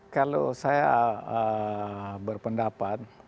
kalau saya berpendapat